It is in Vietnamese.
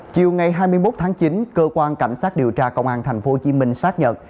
chiều ngày hai mươi một tháng chín cơ quan cảnh sát điều tra công an tp hcm xác nhận